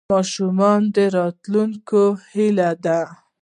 ماشومان د راتلونکي هیله ده.